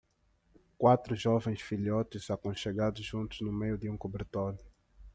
quatro jovens filhotes aconchegados juntos no meio de um cobertor.